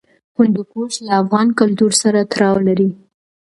هندوکش له افغان کلتور سره تړاو لري.